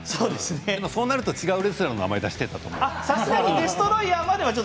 そうなると違うレスラーの名前を出していたと思う。